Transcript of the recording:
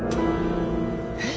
えっ？